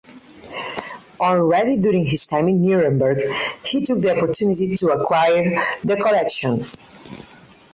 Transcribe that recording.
Already during his time in Nuremberg he took the opportunity to acquire the collection.